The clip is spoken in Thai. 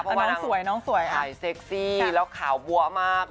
เพราะว่าน้องสวยถ่ายเซ็กซี่แล้วข่าวบัวมาก